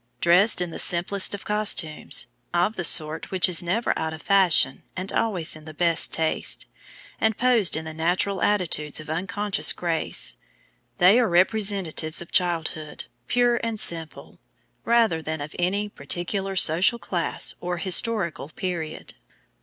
Dressed in the simplest of costumes, of the sort which is never out of fashion and always in the best taste, and posed in the natural attitudes of unconscious grace, they are representatives of childhood, pure and simple, rather than of any particular social class or historical period.